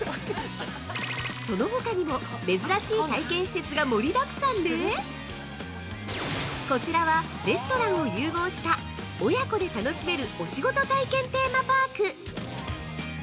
そのほかにも、珍しい体験施設が盛りだくさんでこちらはレストランを融合した親子で楽しめるお仕事体験テーマパーク。